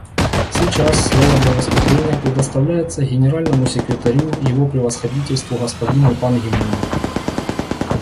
Сейчас слово для выступления предоставляется Генеральному секретарю Его Превосходительству господину Пан Ги Муну.